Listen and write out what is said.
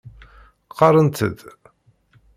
Qarrent-d.